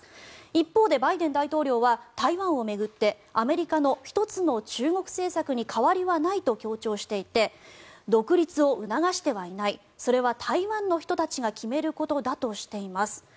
一方で、バイデン大統領は台湾を巡ってアメリカの一つの中国政策に変わりはないと強調していて独立を促してはいないそれは台湾の人たちが決めることだとしています。